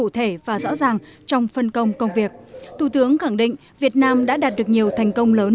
tăng trong phân công công việc thủ tướng khẳng định việt nam đã đạt được nhiều thành công lớn